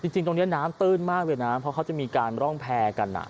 จริงตรงนี้น้ำตื้นมากเลยนะเพราะเขาจะมีการร่องแพร่กัน